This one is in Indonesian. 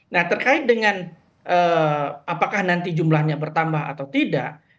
nah terkait dengan apakah nanti jumlahnya bertambah atau tidak